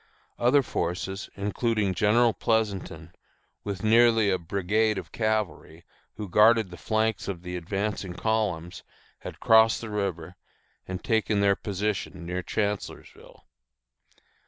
Other forces, including General Pleasonton, with nearly a brigade of cavalry, who guarded the flanks of the advancing columns, had crossed the river, and taken their position near Chancellorsville.